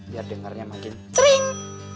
biar dengarnya makin sering